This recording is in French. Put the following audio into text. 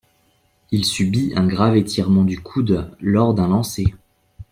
Il subit un grave étirement du coude lors d'un lancer.